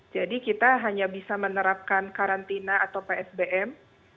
jadi kita hanya bisa menerapkan karantina atau psbm